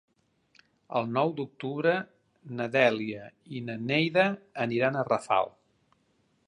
El nou d'octubre na Dèlia i na Neida aniran a Rafal.